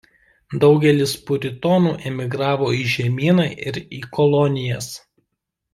Daugelis puritonų emigravo į žemyną ir į kolonijas.